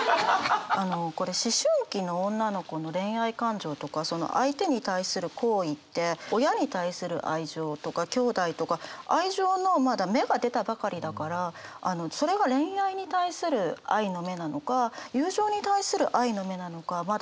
あのこれ思春期の女の子の恋愛感情とか相手に対する好意って親に対する愛情とかきょうだいとか愛情のまだ芽が出たばかりだからそれが恋愛に対する愛の芽なのか友情に対する愛の芽なのかまだ分からないと思うんです。